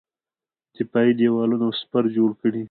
دفاعي دېوالونه او سپر جوړ کړي.